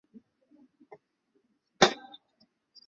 学为所用就决不能仅仅是写在纸上、挂在墙上当‘装饰’